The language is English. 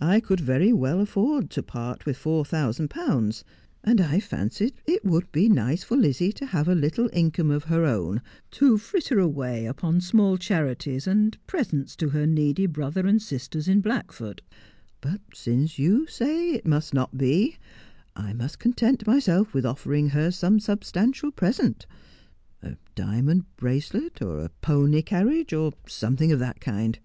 I could very well afford to part with four thousand pounds ; and I fancied it would be nice for Lizzie to have a little income of her own to fritter away upon small charities and presents to her needy brother and sisters at Blackford — but since you say it must not be, I must content myself with offering her some substantial present — a diamond bracelet — or a pony carriage — or something of that kind.